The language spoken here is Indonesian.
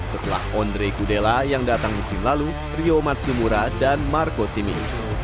setelah andre kudela yang datang musim lalu rio matsumura dan marco simic